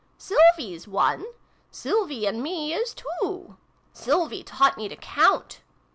Sylvie's one. Sylvie and me is two. Sylvie taught me to count."